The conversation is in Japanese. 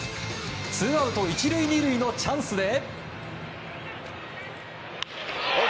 ツーアウト１塁２塁のチャンスで。